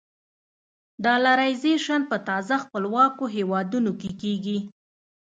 ډالرایزیشن په تازه خپلواکو هېوادونو کې کېږي.